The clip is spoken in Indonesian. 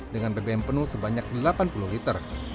dengan bbm penuh sebanyak delapan puluh liter